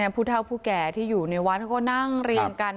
ผู้เท่าผู้แก่ที่อยู่ในวัดเขาก็นั่งเรียงกัน